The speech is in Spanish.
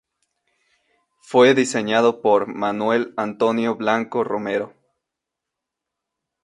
Fue diseñado por Manuel Antonio Blanco Romero.